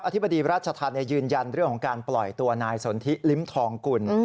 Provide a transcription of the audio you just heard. ธิบดีราชธรรมยืนยันเรื่องของการปล่อยตัวนายสนทิลิ้มทองกุล